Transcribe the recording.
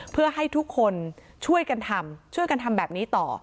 เพื่อให้ทุกคนช่วยกันทำช่วยกันทำแบบนี้ต่อ